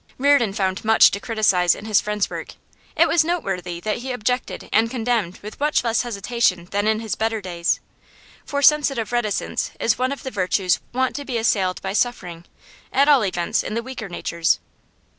Reardon found much to criticise in his friend's work; it was noteworthy that he objected and condemned with much less hesitation than in his better days, for sensitive reticence is one of the virtues wont to be assailed by suffering, at all events in the weaker natures.